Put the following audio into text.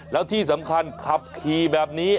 แล้วที่สำคัญขับขี่แบบนี้